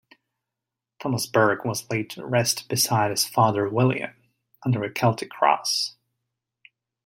Thomas Burke was laid to rest beside his father William, under a Celtic cross.